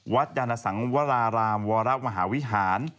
ยานสังวรารามวรมหาวิหาร